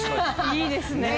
いいですね。